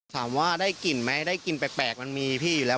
ถามว่าได้กลิ่นไหมได้กลิ่นแปลกมันมีพี่อยู่แล้ว